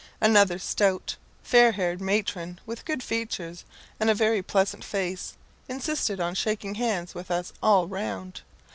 Another stout, fair haired matron, with good features and a very pleasant face, insisted on shaking hands with us all round.